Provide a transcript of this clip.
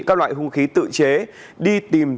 các loại hung khí tự chế đi tìm